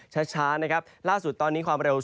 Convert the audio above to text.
ช้านะครับล่าสุดตอนนี้ความเร็ว